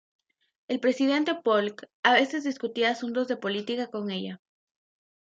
El presidente Polk a veces discutía asuntos de política con ella.